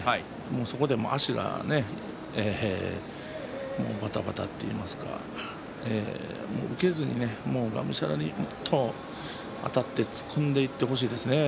そこで足がばたばたといいますか受けずに、がむしゃらにもっとあたって突っ込んでいってほしいですね。